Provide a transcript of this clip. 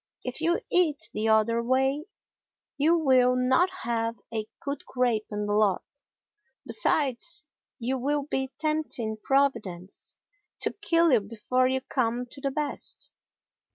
If you eat the other way, you will not have a good grape in the lot. Besides, you will be tempting Providence to kill you before you come to the best.